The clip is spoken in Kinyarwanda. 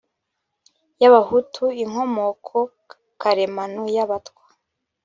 y abahutu inkomoko karemano y abatwa